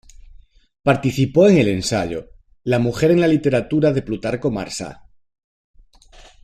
Participó en el ensayo: La Mujer en la Literatura de Plutarco Marsá.